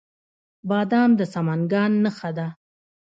بادام د سمنګان نښه ده.